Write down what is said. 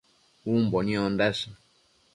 Umbo niondash